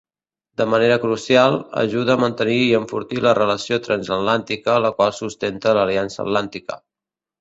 De manera crucial, ajuda a mantenir i enfortir la relació transatlàntica, la qual sustenta l'Aliança Atlàntica.